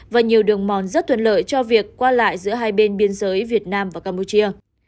và nhiều đường mòn rất thuận lợi cho việc qua lại giữa hai bên biên giới việt nam và campuchia